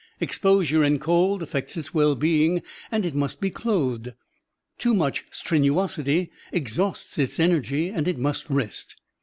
Exposure in cold affects its well being and it must be clothed. Too much strenuosity exhausts its energy and it must rest.